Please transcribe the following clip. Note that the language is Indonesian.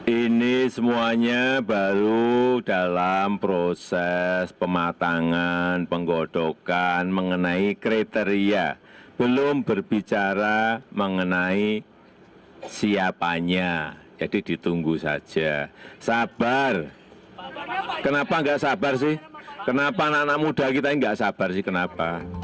ini semuanya baru dalam proses pematangan penggodokan mengenai kriteria belum berbicara mengenai siapanya jadi ditunggu saja sabar kenapa nggak sabar sih kenapa anak anak muda kita nggak sabar sih kenapa